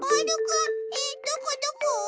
どこどこ？